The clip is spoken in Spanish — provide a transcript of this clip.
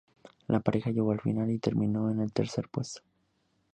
La pareja llegó a la final y terminó en el tercer puesto.